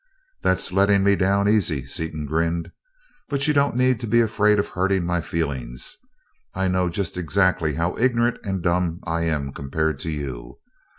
"That's letting me down easy," Seaton grinned, "but you don't need to be afraid of hurting my feelings I know just exactly how ignorant and dumb I am compared to you.